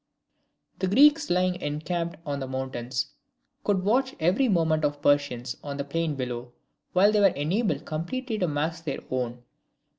The Greeks, lying encamped on the mountains, could watch every movement of the Persians on the plain below, while they were enabled completely to mask their own.